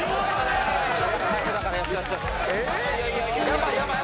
やばいやばい！